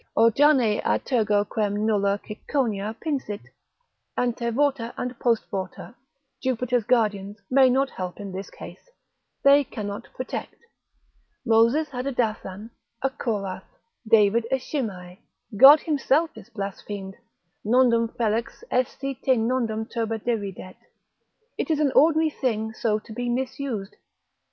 O Jane a tergo quem nulla ciconia pinsit, Antevorta and Postvorta, Jupiter's guardians, may not help in this case, they cannot protect; Moses had a Dathan, a Corath, David a Shimei, God himself is blasphemed: nondum felix es si te nondum turba deridet. It is an ordinary thing so to be misused.